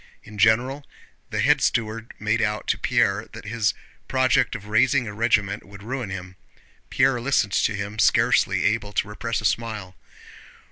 In general the head steward made out to Pierre that his project of raising a regiment would ruin him. Pierre listened to him, scarcely able to repress a smile.